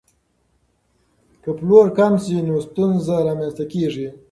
که پلور کم شي نو ستونزه رامنځته کیږي.